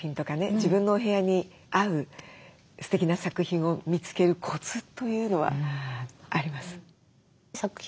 自分のお部屋に合うすてきな作品を見つけるコツというのはあります？